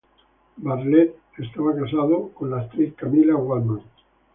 Bartlett estaba casado con la actriz Camilla Waldman.